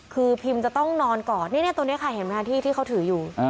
คือพิมจะต้องนอนก่อนที่นี่ค่ะเห็นไหมที่เค้าถืออยู่